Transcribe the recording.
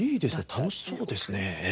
楽しそうですね。